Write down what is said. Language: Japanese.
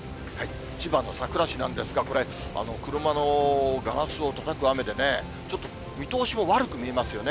千葉の佐倉市なんですが、これ、車のガラスをたたく雨でね、ちょっと見通しも悪く見えますよね。